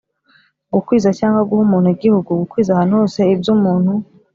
gukwiza cyangwa guha umuntu igihugu: gukwiza ahantu hose ibyo umuntu